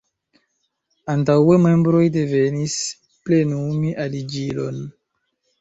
Antaŭe membroj devis plenumi aliĝilon.